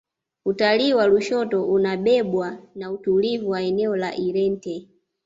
utalii wa lushoto unabebwa na utulivu wa eneo la irente